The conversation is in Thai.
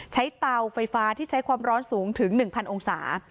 เตาไฟฟ้าที่ใช้ความร้อนสูงถึง๑๐๐องศา